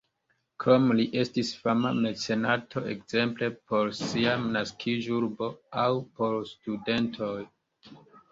Krome li estis fama mecenato, ekzemple por sia naskiĝurbo aŭ por studentoj.